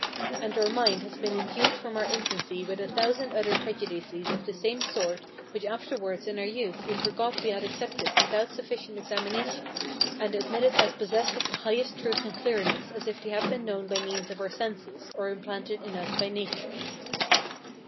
And our mind has been imbued from our infancy with a thousand other prejudices of the same sort which afterwards in our youth we forgot we had accepted without sufficient examination, and admitted as possessed of the highest truth and clearness, as if they had been known by means of our senses, or implanted in us by nature.